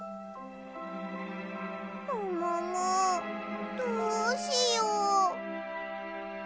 もももどうしよう。